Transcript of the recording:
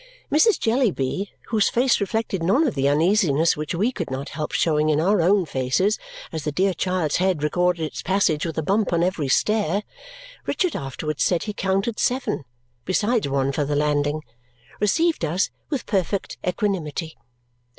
Mrs. Jellyby, whose face reflected none of the uneasiness which we could not help showing in our own faces as the dear child's head recorded its passage with a bump on every stair Richard afterwards said he counted seven, besides one for the landing received us with perfect equanimity.